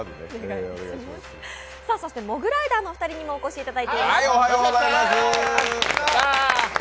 モグライダーのお二人にもお越しいただいています。